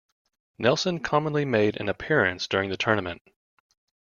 Nelson commonly made an appearance during the tournament.